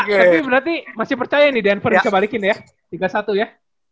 tapi berarti masih percaya nih denver bisa balikin ya tiga satu ya